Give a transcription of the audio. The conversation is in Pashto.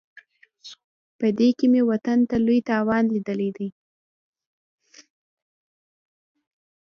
په دې کې مې وطن ته لوی تاوان لیدلی دی.